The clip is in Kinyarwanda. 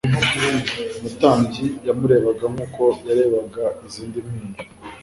Umutambyi yamurebaga nk'uko yarebaga izindi mpinja.